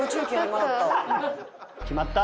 決まった。